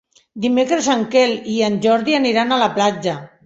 Dimecres en Quel i en Jordi aniran a la platja.